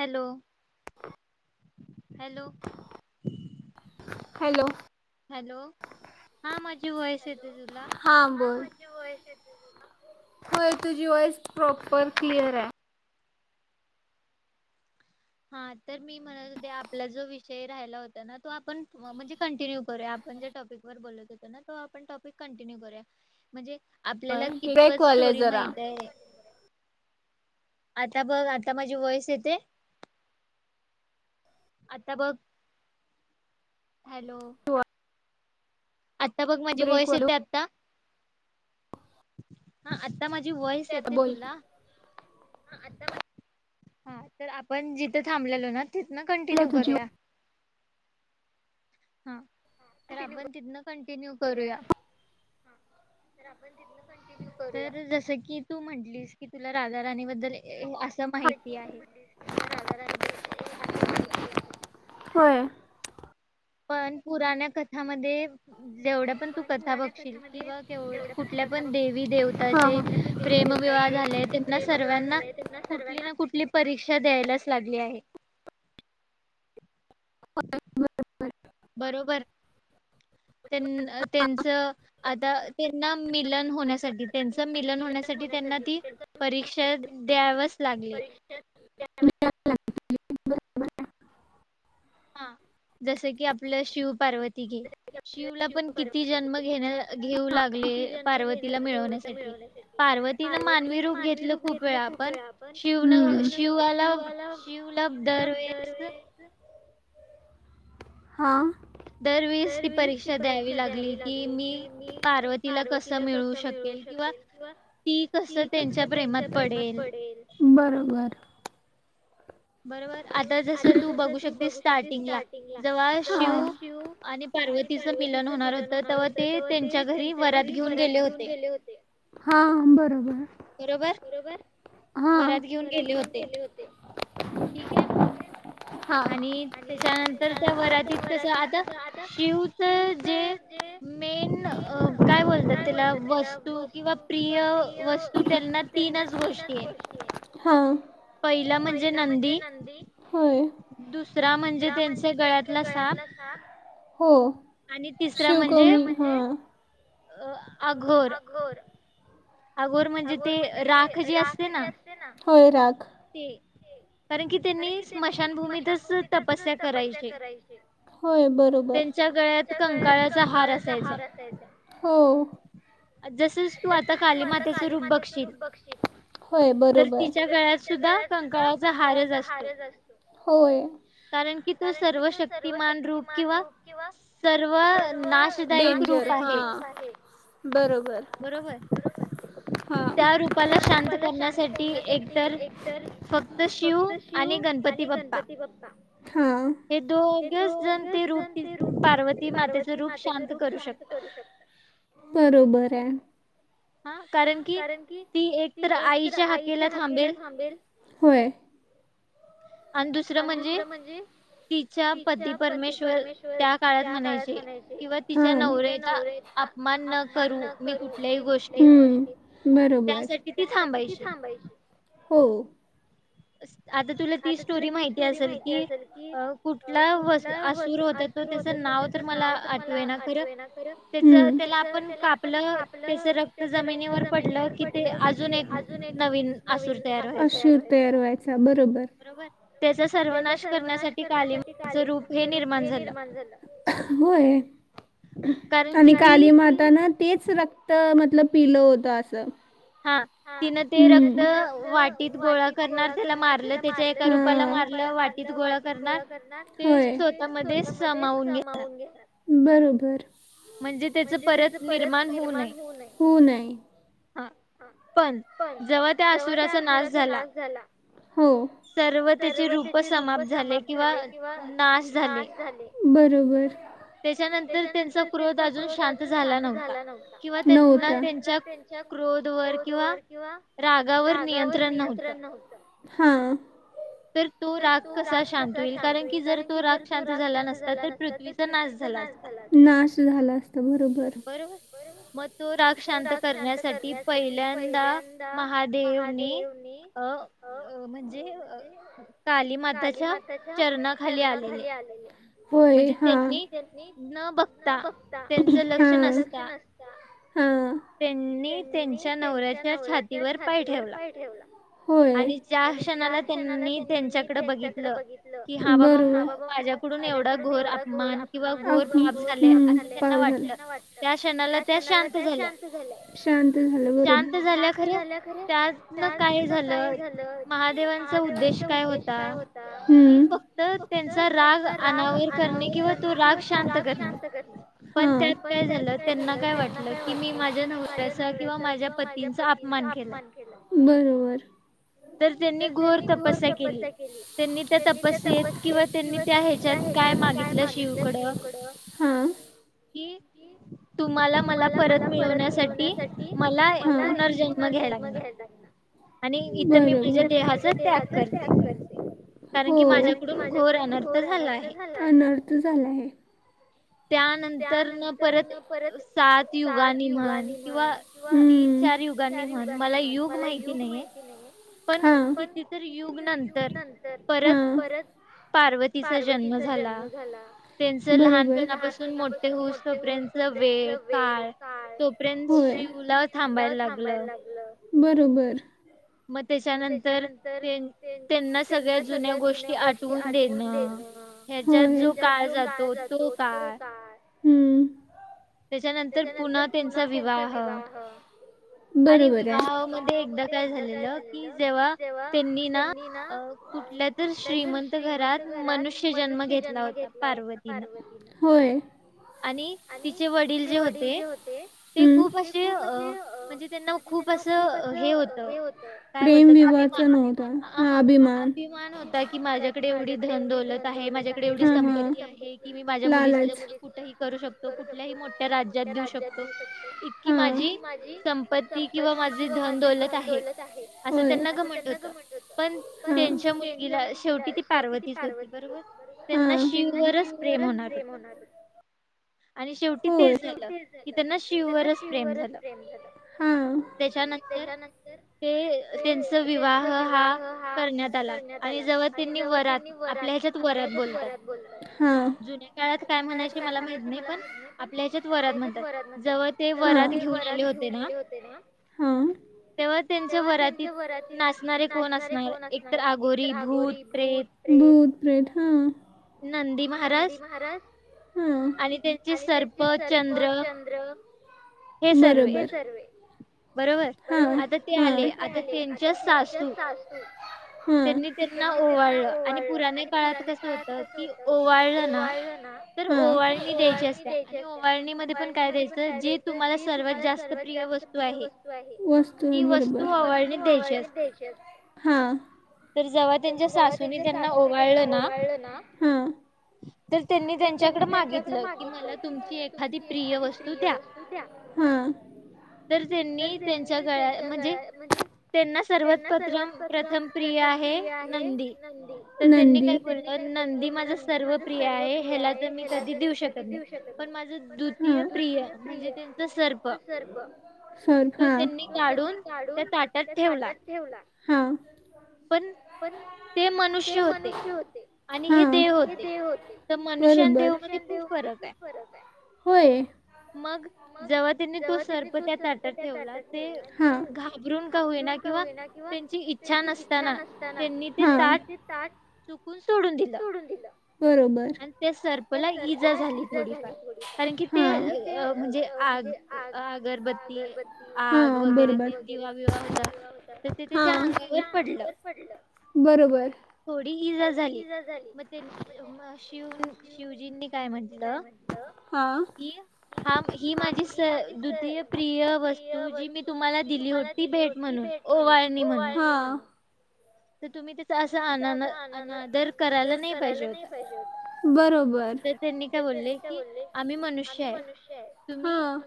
Hello hello hello hello हा माझी voice येते तुला? हो तुझी वॉइस प्रॉपर क्लिअरे. हा तर मी म्हणत होते आपला जो विषय राहिला होता ना तो आपण म- म्हणजे कंटिन्यू करूया आपण जे टॉपिक वर बोलत होतो ना तो आपण टॉपिक कंटिन्यू करूया म्हणजे आपल्याला कितपत स्टोरी माहित आहे. आता बघ आता माझी वॉईस येते? आता बघ. हॅलो आता बघ माझी वॉईस येते आत्ता? हा आत ता माझी वॉईस येते तुला? हा तर आपण जिथं थांबलेलो ना तिथनं कंटिन्यू करूया. हं तर आपण तिथनं कंटिन्यू करूया. तर जसं की तू म्हटलीस की तुला राधा राणीबद्दल एए [unintelligible] स माहिती आहे. [unintelligible] होय. पण पुराण्या कथामध्ये जेवढ्या पण तू कथा बघशील किंवा केवढ कुठल्या पण देवी देवताचे प्रेमविवाह झालेय त्यांना सर्वांना कुठली ना कुठली परीक्षा द्यायलाच लागली आहे. [inaudible] बरं बरोबर. त्यां अ त्यांचं आता त्यांना मिलन होण्यासाठी त्यांच मिलन होण्यासाठी त्यांना ती परीक्षा द्यावच लागली हा जसं की आपलं शिव पार्वती घे शिवला पण किती जन्म घेण्या घेऊ लागले पार्वतीला मिळवण्यासाठी पार्वतीनं मानवी रूप घेतलं खूप वेळा आपण शिवन शिवाला शिवला दरवेस हा दरवीस ती परीक्षा परीक्षा द्यावी लागली कि मी पार्वतीला कसं मिळवू शकेल किंवा ती त कसं त्यांच्या प्रेमात पडेल बरोबर बर बरोबर आता जस तू बघू शकते स्टार्टिंगला शिव आणि पार्वतीचं मिलन होणार होत तेव्हा ते त्यांच्या घरी वरात घेऊन गेले होते हा बरोबर बरोबर हा वरात घेऊन गेले होते [unintelligible] ठीक आहे आणि त्याच्यानंतर त्या वरातीत कसं आता शिवचं जे मेन काय बोलतात त्याला वस्तू किंवा प्रिय वस्तू त्यांना तीनच गोष्टी आहेत पहिला म्हणजे नंदी दुसरा म्हणजे त्यांच्या गळ्यातला साप शिवकवमी अ आघर अगोर म्हणजे ते राख जे असते ना होय राख कारण की त्यांनी स्मशानभूमीतच तपस्या करायची होय बरोबर त्यांच्या गळ्यात कंकाळाचा हार असायचा. हो जसंच तू आता काली मा कालीमातेचं रूप ब हो बरोबर तर तिच्या गळ्यात सुद्धा कंकाळाचा हारच असतोय कारण की तो सर्व शक्तिमान रूप किंवा सर्व डेंजर आहे बरोबर ह त्या रूपाला शांत करण्यासाठी एकतर फक्त शिव आणि गणपती बाप्पा ह हे दोघेच जण ते रूप पार्वती मातेचं रूप शांत करू शकतात बरोबर आहे हा कारण की ती एकतर आईच्या हाकेला थांबेल होय आणि दुसरं म्हणजे तिच्या पती परमेश्वर त्या काळात म्हणायचे किंवा तिच्या नवरऱ्याचा अपमान न करू मी कुठल्याही गोष्टी हम्म बरोबर त्यासाठी ती थांबायची हो हो [unintelligible] आता तुला ती स्टोरी माहिती असेल कि कुठला असूर होता त त्याचं नाव तर मला आठवे ना खरं त्याचं त्याला आपण कापलं त्याच रक्त जमिनीवर पडलं कि ते अजून एक नवीन एक असूर तयार व्हायचा बरोबर त्याचा सर्वनाश करण्यासाठी कालीमातेचं रूप हे निर्माण झालं होय आणि कालीमाता ना तेच रक्त मतलब पिलो होतो असं हा हे रक्त वाटीत गोळा करणार त्याला मारलं, ए रूपाला मारलं वाटीत गोळा करणार ते स्वतः म समावून घेणार बरोबर. म्हणजे त्याच परत निर्माण हो हो हुनेय हो हूंनेय. पण जव्हा त्या असुराचा नाश झाला. सर्व त्याचे रूप समाप्त झाले, किंवा नाश झाले. बरोबर. त्याच्यानंतर त्यांचा क्रोध अजून शांत झाला नव्हता, नव्हता ना त्यांच्या. किंवा रागावर नियंत्रण नव्हत. हा. तर तो राग कसा शांत होईल कारण की जर तो राग शांत झाला नसता, तर पृथ्वीचा नाश झाला नाश झाला, असता बरोर. बरोबर मग तो राग शांत करण्यासाठी पहि पल्यांदा महादेवने अ म्हणजे कालीमाताच्या चरणाखाली आलेले. होय हा. त्यांनी त्यांची. मी त्यांच्या नवऱ्याच्या छातीवर पाय ठेवला. होय आणि ज्या क्षणाला त्यांनी त्यांच्याकडे बघितलं, ब बाबा माझ्याकडून एवढा घोर अपमा वाट, त्या क्षणाला त्या शांत झाल्या शांत. शांत झाल्या खर्या त्यातन काय झालं. हम्म हा. बरोबर. तर त्यांनी घोर तपस्या केली, त्यांनी त्या तपस्येत किंवा त्यांनी त्या ह्याच्यात काय मागितलं शिवकडं कि, तुम्हाला मला परत मिळवण्यासाठी. पुनर्जन्म घ्याय लागणार आणि बरं हू हो अनर्थ झाला आहे. हम्म. हा हा बरोबर होय. शिवला थांबायला लागलं. बरोबर. मग त्याच्यानंतर त्यांना सगळ्या जुन्या गोष्टी आठवून देणं, त्याच्यात जो काळ जातो तो काळ. हम्म. त्याच्यानंतर पुन्हा त्यांचा विवाह बरोबर आहे गवामध्येध्ये एकदा काय झालेलं कि जेव्हा त्यांनी ना कुठल्यात श्रीमंत घरात मनुष्य जन्म घेतला होता पार्वतीन होय. आणि तिचे वडील जे होते ते खूप. अ म्हणजे त्यांना खूप असं हे होतं काय बोलतात अभिमान हा अभिमान होता की माझ्याकडे एवढी धन दौोलत आहे माझ्याकडे एवढी संपत्ती आहे की मी माझ्या मुलीच लग्न. कुठही करू शकतो कुठल्याही मोठ्या राज्यात देऊ शकतो इतकी माझी की माझी संपत्ती किंवा माझी धन दौलत आहे असं त्यांना ग म्हणत होत प त्यांच्या मुलगीला शेवटी ती पार्वती होती त्यांना शिव वरच प्रेम होणार होत. हो शेवटीच झालं इथना शिववरच प्रेम झालं त्याच्यानंतर ते त्यांचा विवाह हा करण्यात आला आणि जव त्यांनी वरात आपल्या हातच वरात बोलतात काळात. नाही [unintelligible] मला पण आपल्या हच्यात वरात म्हणतात जेव्हा ते वरात घेऊन आले होते ना तेव्हा त्यांच्या वरात नाचणारे कोणअसणार एक तर आघोरी भूत प्रेत. प्रेत हा. नंदी महाराज आणि आणि त्यांचे सर्प चंद्र ह [unintelligible] बरोबर हेसार्वे ते आले आता त्यांच्या सासू त्यांनी आणि ओवळणी मध्ये पण काय द्यायचं जे तुम्हाला सर्वात जास्त प्रिय वस्तू वस्तू आहे वस्तू बरोबर वस्तू ओवाळणीत द्यायची असते हां तर जेव्हा त्यांच्या सासूने त्यांना ओवाळलं ना तर त्यांनी त्यांच्याकडे मागितलं कि मला तुमची एखादी प्रिय वस्तू द्या तर त्यांनी त्यांच्या गळ्या म्हणजे त्यांना सर्वत पत्रम प्रथम प्रम प्रिय आहे नंदी नंदी त्यांनी काय बोलत नंदी माझं सर्व प्रिय आहे ह्याला तर मी कधी देऊ शकत पण प्रिय म्हणजे त्यांच सर्प सर् त त्यांनी काढून त्या ताटात ठेवला हां पण ते मनुष्य होते हा आणि हे देव होते फरक आहे मग जेव्हा त्यांनी तो सर्प त्या ताटात ठेवला ते घाबरून का होईना किंवा त्यांची इच्छा नसते ताना त्यांनी ते ताट चुकून सोडून दिलं बरोबर इजा झाली थोडीफार कारण की ते म्हणजे आग अगरबत्ती आग वगैरे ते दिवा बिवा होता तर ते त्याच्या अंगावर पड थोडी इजा झाली मग शि शिवजींनी काय म्हंटलं की हा ही माझी स द्वितीय प्रिय वस्तू जी मी तुम्हाला दिली होती भेट म्हणून ओवारणी म्हणून तर तुम्ही तिथ असं अ अनादर करायला नाही पाहिजे बरोबर त्यांनी का बले की आम्ही मनुष्य आहे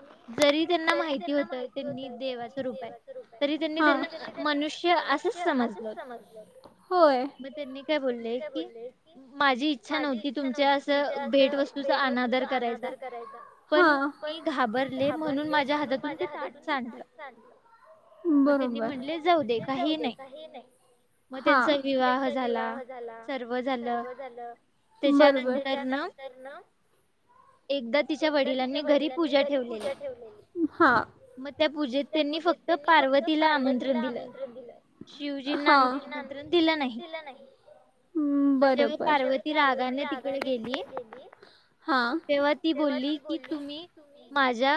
जरी त्यांना माहिती होत त्यांनी देवाच रूप मनुष्य अस मग त्यांनी काय बोललंय कि माझी इच्छा नव्हती तुमच्या असं भेटवतू अर करा पण घाबरले म्हणून माझ्या हातात म्ह जा दे का नाही हा त्यांचा विवाह झाला सर्व झालं बरोबरनर ह ना एकदा तिच्या वडिलांनी घरी पूजा ठेवलेली मग त्या पूजेत त्यांनी फक्त पार्वतीला आमंत्रण दिलं शिवजींना आमंत्रण दिलं नाही मग जेव्हा पार्वती रागाने तिकडे गेली ह तेव्हा ती बोलली की तुम्ही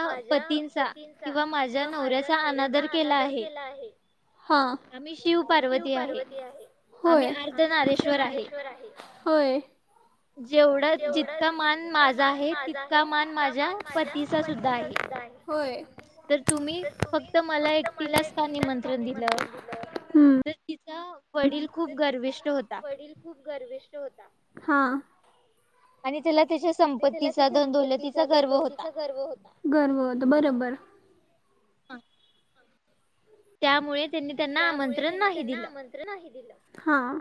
माझ्या पतींचा किंवा माझ्या नवऱ्याचा अनादर केला आहे हा आम शिव पार्वती आहे होय आम्ही अंतनारेश्वर आहे होय जेवढा जितका मान माझा आहे तितका मान माझ्या पतीचा सुद्धा आहे होय तर तुम्ही फक्त मला एकटीलाच का निमंत्रण दिलं तर तिचा वडील खूप गर्विष्ट्ठ होता हां आणि त्याला त्याला त्याच्या संपत्ती साधनोती तर गर्व होत गर्व होत बरोबर त्यामुळे त्यांनी त्यांना आमंत्रण नाही दिलं हां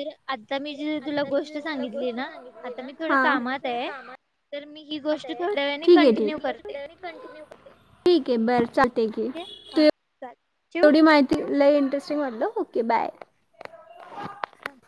तर आता मी जी तुला गोष्ट सांगितली ना आता मी थोड कामात आहे तर मी ठीक आहे ठीकन्य ठीक आहे बर चालते की तू एवढी माहिती लई इंटरेस्टिंग वाटलं ओके बाय हम